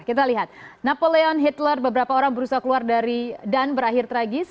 kita lihat napoleon hitler beberapa orang berusaha keluar dari dan berakhir tragis